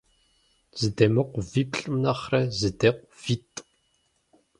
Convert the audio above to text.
Зэдемыкъу виплӀым нэхърэ, зэдекъу витӀ.